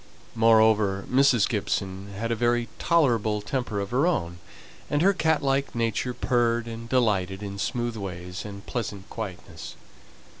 Moreover, Mrs. Gibson had a very tolerable temper of her own, and her cat like nature purred and delighted in smooth ways, and pleasant quietness.